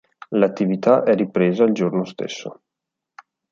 L'attività è ripresa il giorno stesso.